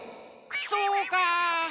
そうか。